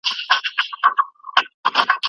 نه څوک یو قدم ځي شاته نه څوک یو قدم تمیږي